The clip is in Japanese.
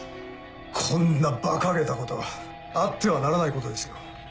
こんなばかげたことあってはならないことですよ。